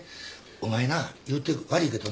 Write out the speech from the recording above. お前な言うて悪いけどな。